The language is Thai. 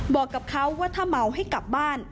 บอกกับเขาว่าถ้าเมาให้กลับบ้าน